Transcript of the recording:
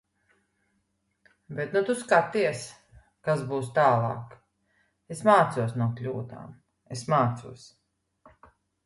Bet nu, tu skaties... kas būs tālāk... Es mācos no kļūdām. Es mācos.